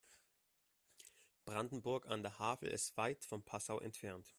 Brandenburg an der Havel ist weit von Passau entfernt